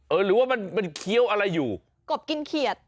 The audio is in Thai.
หรือว่ามันมันเคี้ยวอะไรอยู่กบกินเขียด